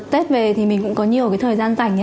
tết về thì mình cũng có nhiều cái thời gian rảnh